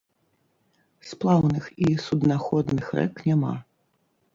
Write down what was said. Сплаўных і суднаходных рэк няма.